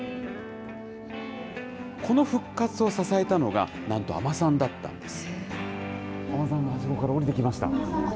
この復活を支えたのが、なんと海女さんだったんです。